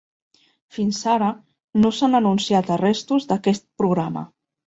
Fins ara, no s'han anunciat arrestos d'aquest programa.